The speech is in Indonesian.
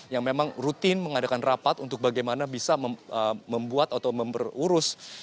yang memang rutin mengadakan rapat untuk bagaimana bisa membuat atau memperurus